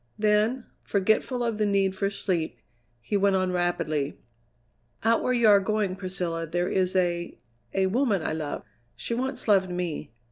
Then, forgetful of the need for sleep, he went on rapidly: "Out where you are going, Priscilla, there is a a woman I love; she once loved me.